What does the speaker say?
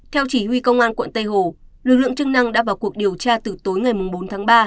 theo chỉ huy công an quận tây hồ lực lượng chức năng đã vào cuộc điều tra từ tối ngày bốn tháng ba